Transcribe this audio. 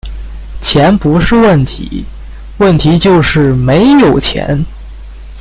钱不是问题，问题就是没有钱